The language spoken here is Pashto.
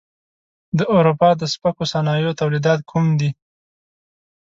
د اروپا د سپکو صنایعو تولیدات کوم دي؟